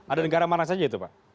ada negara mana saja itu pak